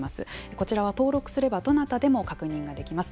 こちらは登録すればどなたでも確認ができます。